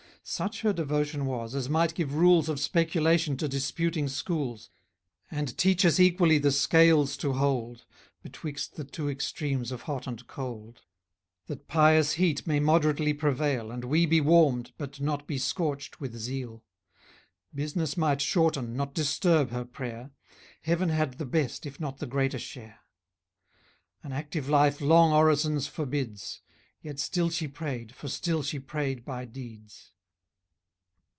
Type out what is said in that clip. Such her devotion was, as might give rules Of speculation to disputing schools, And teach us equally the scales to hold Betwixt the two extremes of hot and cold; That pious heat may moderately prevail, And we be warmed, but not be scorched with zeal. Business might shorten, not disturb, her prayer; Heaven had the best, if not the greater share. An active life long orisons forbids; Yet still she prayed, for still she prayed by deeds.